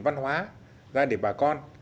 văn hóa ra để bà con